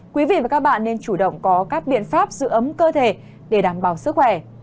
quý vị và các bạn nên chủ động có các biện pháp giữ ấm cơ thể để đảm bảo sức khỏe